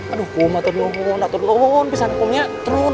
aduh kum atur dulun atur dulun pisang kumnya turun